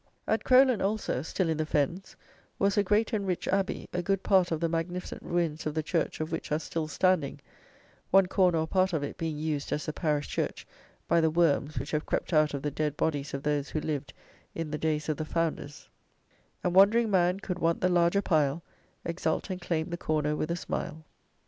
At Crowland also (still in the Fens) was a great and rich abbey, a good part of the magnificent ruins of the church of which are still standing, one corner or part of it being used as the parish church, by the worms, which have crept out of the dead bodies of those who lived in the days of the founders; "And wond'ring man could want the larger pile, Exult, and claim the corner with a smile."